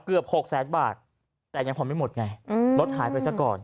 เกือบ๖แสนบาทแต่ยังผ่อนไม่หมดไงรถหายไปซะก่อน